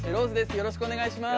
よろしくお願いします。